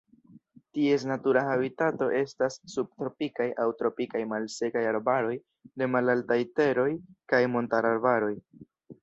Ties natura habitato estas subtropikaj aŭ tropikaj malsekaj arbaroj de malaltaj teroj kaj montararbaroj.